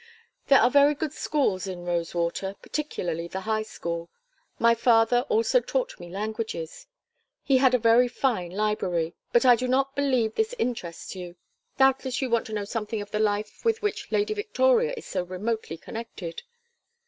There are very good schools in Rosewater, particularly the High School. My father also taught me languages. He had a very fine library. But I do not believe this interests you. Doubtless you want to know something of the life with which Lady Victoria is so remotely connected."